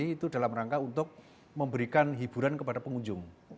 itu dalam rangka untuk memberikan hiburan kepada pengunjung